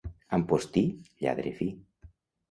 Ampostí, lladre fi.